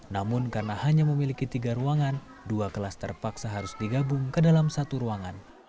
namun karena hanya memiliki tiga ruangan dua kelas terpaksa harus digabung ke dalam satu ruangan